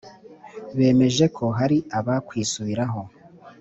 bemeje ko hari abakwisubiraho